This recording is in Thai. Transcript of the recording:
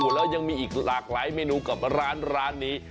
แล้วยังมีอีกหลากหลายเมนูกับร้านนี้